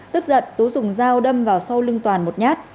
tức giận tú dùng dao đâm vào sau lưng toàn một nhát